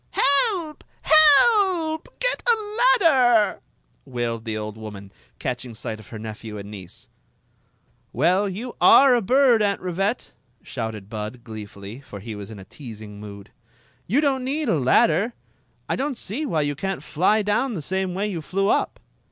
••Help! Help! Get a ladder!" wailed the old woman, catching sight of her nephew and niece. ••Well, you are a bird. Aunt Rivette!" shouted Bud, gleefully, for he was in a teasing mood. •• You don't need a ladder! I dont see why you cant fly down the same way you flew up."